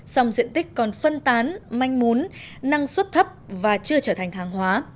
song diện tích còn phân tán manh mún năng suất thấp và chưa trở thành hàng hóa